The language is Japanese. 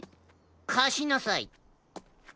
かしなさい。